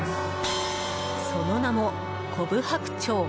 その名もコブハクチョウ。